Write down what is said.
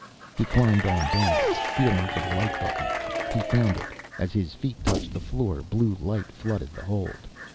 He climbed on down, feeling for the light button. He found it, as his feet touched the floor. Blue light flooded the hold.